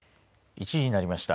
１時になりました。